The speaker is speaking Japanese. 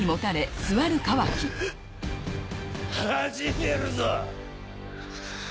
始めるぞ。